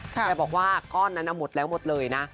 แกบอกว่าก้อนนั้นหมดแล้วหมดเลยนะ